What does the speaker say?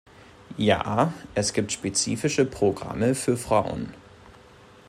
Ja, es gibt spezifische Programme für Frauen.